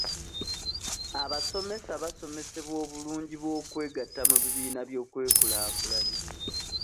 Abasomesa basomesebwa obulungi bw'okwegatta mu bibiina by'okwekulaakulanya.